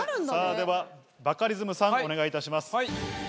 ではバカリズムさんお願いいたします。